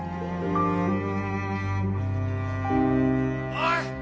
・おい！